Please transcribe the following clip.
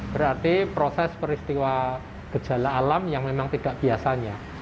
berarti proses peristiwa gejala alam yang memang tidak biasanya